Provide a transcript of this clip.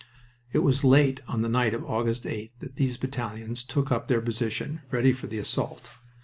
It was late on the night of August 8th that these battalions took up their position, ready for the assault.